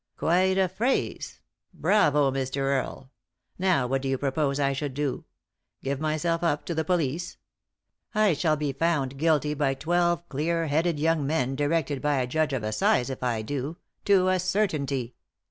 " Quite a phrase — bravo, Mr. Earle 1 Now what do you propose I should do ? Give myself up to the police ? I shall be found guilty by twelve clear headed young men directed by a judge of assize if I do — to a certainty.